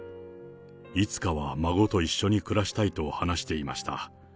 いつかは孫と一緒に暮らしたいと話していました。